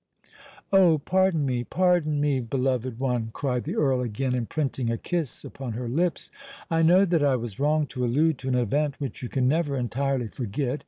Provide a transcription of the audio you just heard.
"Oh! pardon me—pardon me, beloved one!" cried the Earl, again imprinting a kiss upon her lips: "I know that I was wrong to allude to an event which you can never entirely forget.